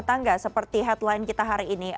ternyata nggak seperti headline kita hari ini